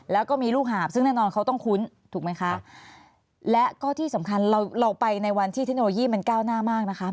แล้วก็มีลูกหาบซึ่งแน่นอนเขาต้องคุ้นถูกไหมคะและก็ที่สำคัญเราเราไปในวันที่เทคโนโลยีมันก้าวหน้ามากนะคะ